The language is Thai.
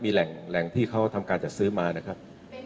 มีแหล่งที่เขาทำการจัดซื้อมานะครับ